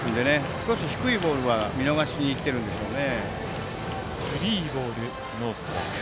少し低いボールは見逃しにいってるんでしょうね。